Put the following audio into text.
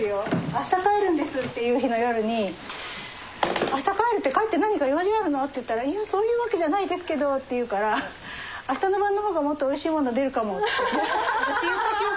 明日帰るんですっていう日の夜に「明日帰るって帰って何か用事があるの？」って言ったら「いやそういう訳じゃないですけど」って言うから「明日の晩の方がもっとおいしいもの出るかも」って私言った記憶があるもん。